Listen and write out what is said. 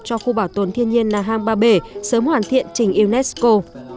cho khu bảo tồn thiên nhiên nà hang ba bể sớm hoàn thiện trình unesco